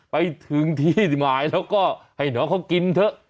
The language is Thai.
ไปถึงที่หมายแล้วก็ให้น้องเขากินเถอะ